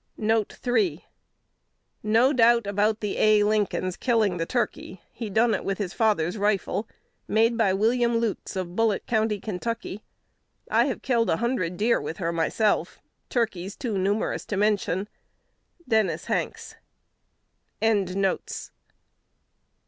3 "No doubt about the A. Lincoln's killing the turkey. He done it with his father's rifle, made by William Lutes, of Bullitt County, Kentucky. I have killed a hundred deer with her myself; turkeys too numerous to mention." Dennis Hanks.